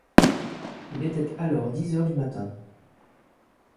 Il était alors dix heures du matin.